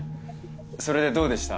それでどうでした？